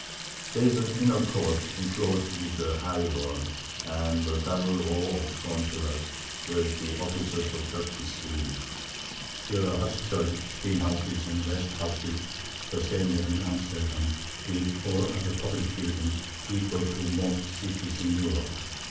There's an inner Court inclos'd with a high Wall, and a double Row of Stone Pillars, where the Officers of Justice live. Here are Hospitals, Spin houses, and Rasp houses, the same as in Amsterdam, with all other publick Buildings, equal to most Cities in Europe.